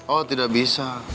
oh tidak bisa